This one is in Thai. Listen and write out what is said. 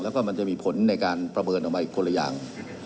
แล้วก็มันจะมีผลในการประเมินออกมาอีกคนละอย่าง